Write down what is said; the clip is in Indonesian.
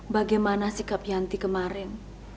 bagaimana sikap yanti kemarin